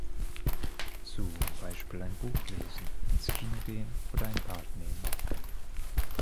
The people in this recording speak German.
Zum Beispiel ein Buch lesen, ins Kino gehen oder ein Bad nehmen.